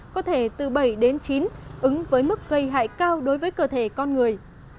có thể từ bảy đến chín ứng với mức gây hại cao đối với cơ thể con người